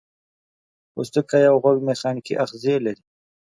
پوستکی او غوږ میخانیکي آخذې لري.